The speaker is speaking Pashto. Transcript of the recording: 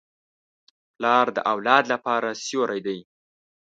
پلار د اولاد لپاره سیوری دی.